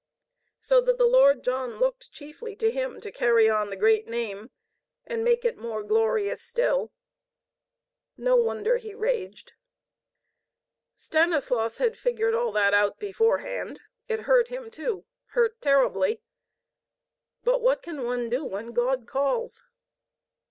So that the Lord John looked chiefly to him to carry on the great name and make it more glorious still. No wonder he raged! Stanislaus had figured all that out beforehand. It hurt him too, hurt terribly. But what can one do when God calls?